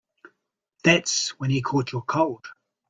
That's when he caught your cold.